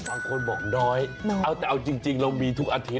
ค่ะคุณบอกน้อยเอาแต่เอาจริงเราแบบนี้ทุกอาทิตย์